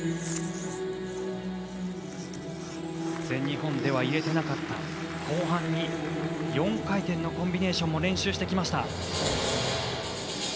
全日本では入れていなかった後半に４回転のコンビネーションも練習してきました。